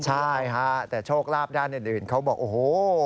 ใช่ฮะแต่โชคลาภด้านอื่นเขาบอกโอ้โห